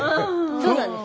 そうなんです。